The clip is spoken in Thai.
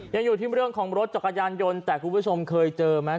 ยังอยู่ที่เรื่องของรถจักรยานยนต์แต่คุณผู้ชมเคยเจอไหม